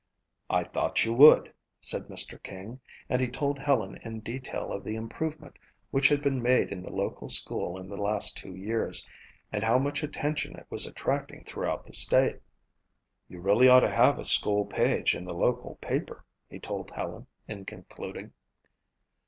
"I thought you would," said Mr. King, and he told Helen in detail of the improvement which had been made in the local school in the last two years and how much attention it was attracting throughout the state. "You really ought to have a school page in the local paper," he told Helen in concluding.